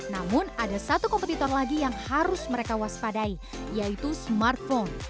namun ada satu kompetitor lagi yang harus mereka waspadai yaitu smartphone